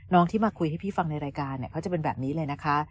ที่มาคุยให้พี่ฟังในรายการเขาจะเป็นแบบนี้เลยนะคะ